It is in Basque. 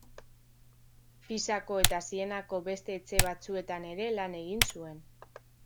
Pisako eta Sienako beste etxe batzuetan ere lan egin zuen.